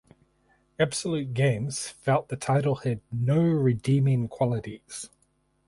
Absolute Games felt the title had no redeeming qualities.